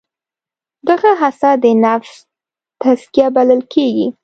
دغه هڅه د نفس تزکیه بلل کېږي.